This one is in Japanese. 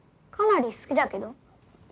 かなり好きだけど？